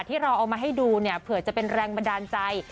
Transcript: ที่เราเอามาให้ดูเนี่ยเผื่อจะเป็นแรงบันดาลใจ